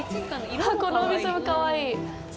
このお店もかわいい。